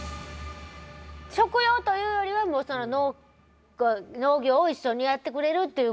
食用というよりはもうその農家農業を一緒にやってくれるっていう